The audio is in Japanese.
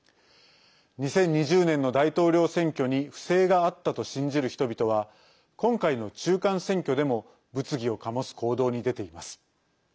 ２０２０年の大統領選挙に不正があったと信じる人々は今回の中間選挙でも物議をかもす行動に出ています。